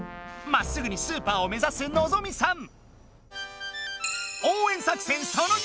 まっすぐにスーパーをめざすのぞみさん。